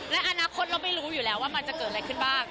และอนาคตเราไม่รู้อยู่แล้วว่ามันจะเกิดอะไรขึ้นบ้าง